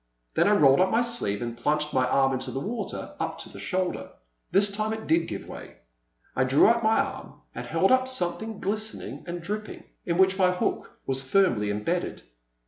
Then I rolled up my sleeve and plunged my arm into the water up to the shoulder. This time it did give way ; I drew out my arm and held up something glistening and dripping, in which my hook was firmly imbedded.